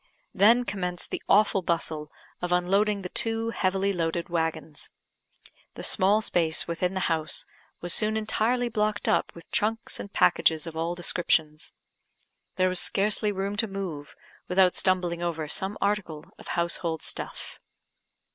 Then commenced the awful bustle of unloading the two heavily loaded waggons. The small space within the house was soon entirely blocked up with trunks and packages of all descriptions. There was scarcely room to move, without stumbling over some article of household stuff.